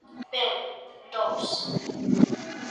Ben, dous.